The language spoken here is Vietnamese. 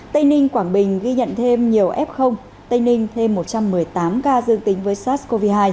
tây ninh quảng bình ghi nhận thêm nhiều f tây ninh thêm một trăm một mươi tám ca dương tính với sars cov hai